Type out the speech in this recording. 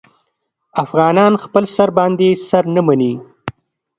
افغانان خپل سر باندې سر نه مني.